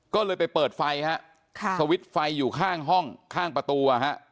ก็เลยไปเปิดไฟฮะสวิตช์ไฟอยู่ข้างห้องข้างประตู